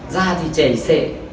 da thì chảy xếp